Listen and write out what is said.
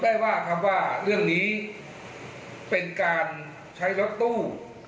เพราะฉะนั้นสรุปได้ว่าเรื่องนี้เป็นการใช้รถตู้